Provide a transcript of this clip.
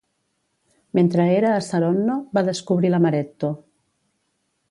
Mentre era a Saronno, va descobrir l'amaretto.